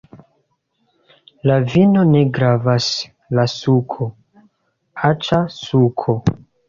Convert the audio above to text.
La vino ne gravas! la suko! aĉa suko!